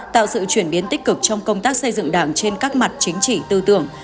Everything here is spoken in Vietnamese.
tạo sự chuyển biến tích cực trong công tác xây dựng đảng trên các mặt chính trị tư tưởng